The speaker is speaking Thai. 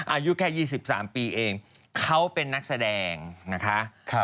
อายุแค่๒๓ปีเองเขาเป็นนักแสดงนะคะ